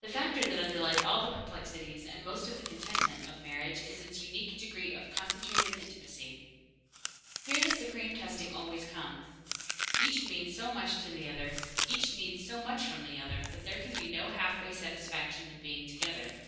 The factor that underlies all the perplexities, and most of the contentment, of marriage is its unique degree of concentrated intimacy. Here the supreme testing always comes. Each means so much to the other, each needs so much from the other, that there can be no halfway satisfaction in being together.